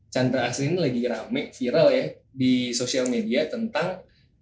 chandra asli ini lagi rame viral ya di sosial media tentang